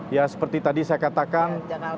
ya seperti tadi saya katakan